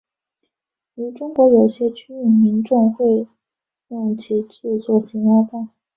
于中国有些区域民众会用其制作咸鸭蛋。